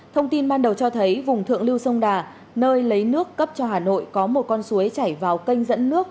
thông tin ban đầu cho thấy vùng thượng lưu sông đà nơi lấy nước cấp cho hà nội có một con suối chảy vào kênh dẫn nước